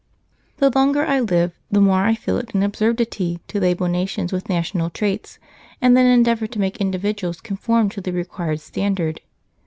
The longer I live, the more I feel it an absurdity to label nations with national traits, and then endeavour to make individuals conform to the required standard.